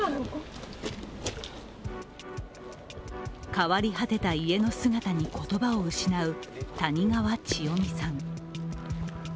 変わり果てた家の姿に言葉を失う谷川千代美さん。